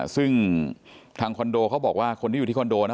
ซึ่งทางคอนโดเขาบอกว่าคนที่อยู่ที่คอนโดนะ